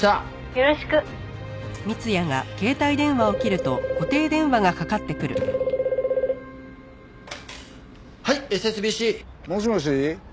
「よろしく」はいＳＳＢＣ。もしもし？